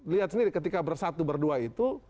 lihat sendiri ketika bersatu berdua itu